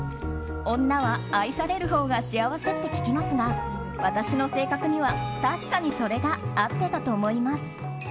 女は愛されるほうが幸せって聞きますが私の性格には確かにそれが合っていたと思います。